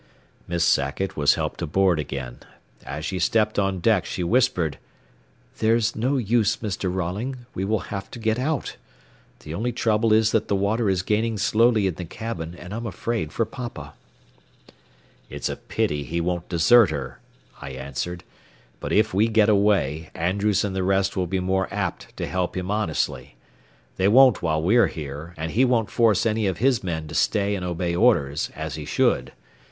Miss Sackett was helped aboard again. As she stepped on deck she whispered, "There's no use, Mr. Rolling. We will have to get out. The only trouble is that the water is gaining slowly in the cabin, and I'm afraid for papa." "It's a pity he won't desert her," I answered; "but if we get away, Andrews and the rest will be more apt to help him honestly. They won't while we're here, and he won't force any of his men to stay and obey orders, as he should.